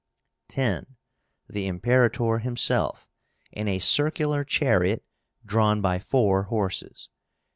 10. The Imperator himself, in a circular chariot drawn by four horses.